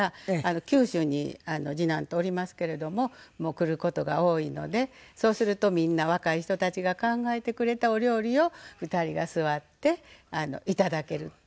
九州に次男とおりますけれども来る事が多いのでそうするとみんな若い人たちが考えてくれたお料理を２人が座っていただけるって。